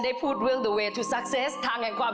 ของท่านได้เสด็จเข้ามาอยู่ในความทรงจำของคน๖๗๐ล้านคนค่ะทุกท่าน